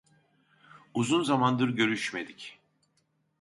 Uzun zamandır görüşmedik.